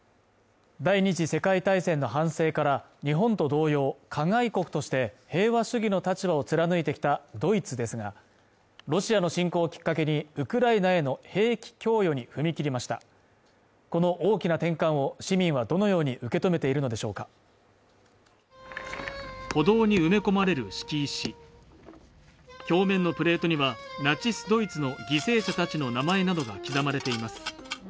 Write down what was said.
第２次世界大戦の反省から日本と同様加害国として平和主義の立場を貫いてきたドイツですがロシアの侵攻をきっかけにウクライナへの兵器供与に踏み切りましたこの大きな転換を市民はどのように受け止めているのでしょうか歩道に埋め込まれる敷石表面のプレートにはナチス・ドイツの犠牲者たちの名前などが刻まれています